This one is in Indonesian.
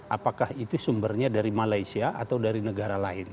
apakah itu sumbernya dari malaysia atau dari negara lain